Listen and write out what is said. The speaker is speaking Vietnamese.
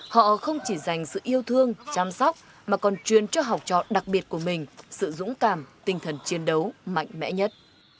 họ không chỉ dành sự yêu thương chăm sóc mà còn truyền cho học trò đặc biệt của mình sự dũng cảm tinh thần chiến đấu mạnh mẽ nhất